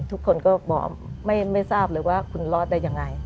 ทุกคนก็บอกไม่ทราบเลยว่าคุณรอดได้ยังไง